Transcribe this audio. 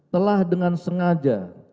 telah dengan sengaja